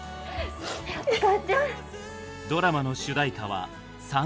ドラマの主題歌は「燦燦」。